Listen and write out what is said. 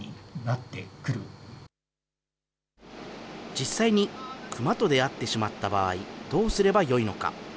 実際にクマと出会ってしまった場合、どうすればよいのか。